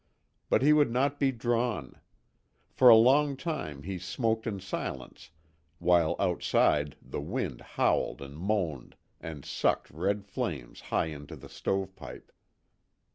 But he would not be drawn. For a long time he smoked in silence while outside the wind howled and moaned and sucked red flames high into the stovepipe.